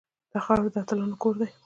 دا خاوره د اتلانو کور دی